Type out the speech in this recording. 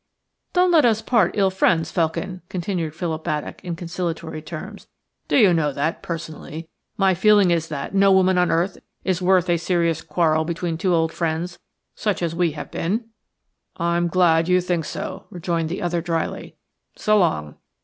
"Don't let us part ill friends, Felkin," continued Philip Baddock in conciliatory tones. "Do you know that, personally, my feeling is that no woman on earth is worth a serious quarrel between two old friends, such as we have been." "I'm glad you think so," rejoined the other drily. "S'long."